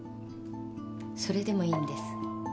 それでもいいんです。